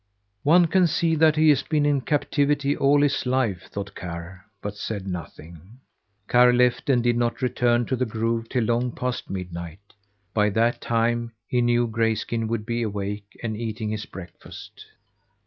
"One can see that he has been in captivity all his life," thought Karr, but said nothing. Karr left and did not return to the grove till long past midnight. By that time he knew Grayskin would be awake and eating his breakfast.